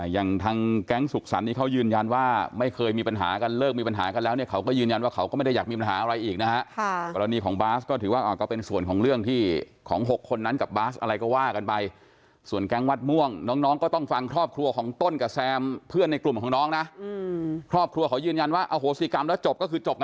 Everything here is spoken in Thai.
อย่างทางแก๊งสุขสรรค์นี้เขายืนยันว่าไม่เคยมีปัญหากันเลิกมีปัญหากันแล้วเนี่ยเขาก็ยืนยันว่าเขาก็ไม่ได้อยากมีปัญหาอะไรอีกนะฮะกรณีของบาสก็ถือว่าก็เป็นส่วนของเรื่องที่ของ๖คนนั้นกับบาสอะไรก็ว่ากันไปส่วนแก๊งวัดม่วงน้องก็ต้องฟังครอบครัวของต้นกับแซมเพื่อนในกลุ่มของน้องนะครอบครัวเขายืนยันว่าอโหสิกรรมแล้วจบก็คือจบ